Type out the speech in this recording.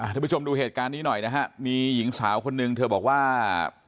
ทุกผู้ชมดูเหตุการณ์นี้หน่อยนะฮะมีหญิงสาวคนนึงเธอบอกว่า